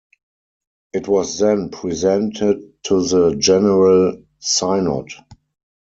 It was then presented to the General Synod.